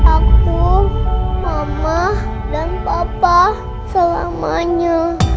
aku mama dan papa selamanya